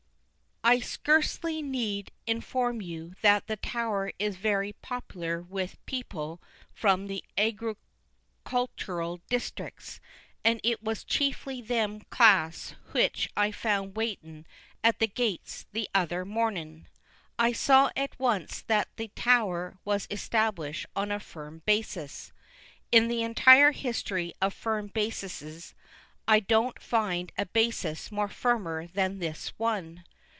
I skurcely need inform you that the Tower is very pop'lar with pe'ple from the agricultooral districks, and it was chiefly them class which I found waitin' at the gates the other mornin'. I saw at once that the Tower was established on a firm basis. In the entire history of firm basises, I don't find a basis more firmer than this one.